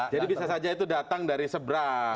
jadi bisa saja itu datang dari seberang begitu